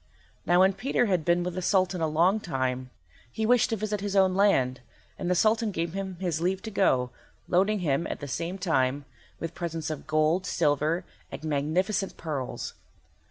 Now when Peter had been with the Sultan a long time, he wished to visit his own land, and the Sultan gave him his leave to go, loading him, at the same time, with presents of gold, silver, and magnificent pearls.